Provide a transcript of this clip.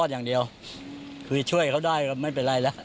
อย่างเป็นอะไรไหม